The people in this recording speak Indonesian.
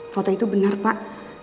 foto itu benar pak